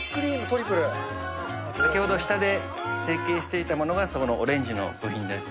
先ほど下で成形していたものが、そのオレンジの部品です。